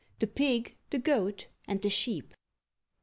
THE PIG, THE GOAT, AND THE SHEEP.